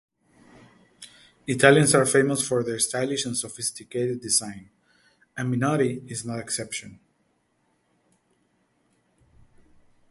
Italians are famous for their stylish and sophisticated design, and Minotti is no exception.